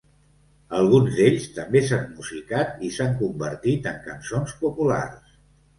Alguns d'ells també s'han musicat i s'han convertit en cançons populars.